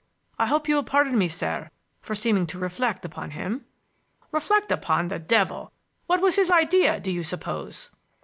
I hope you will pardon me, sir, for seeming to reflect upon him." "Reflect upon the devil! What was his idea, do you suppose?"